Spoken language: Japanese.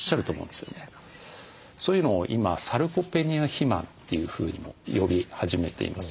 そういうのを今サルコペニア肥満というふうにも呼び始めています。